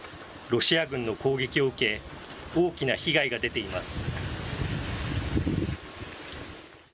ロシア軍の攻撃を受け、大きな被害が出ています。